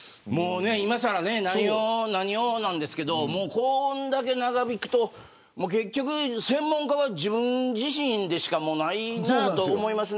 今更、何をなんですがこんだけ長引くと結局、専門家は自分自身でしかないなと思います。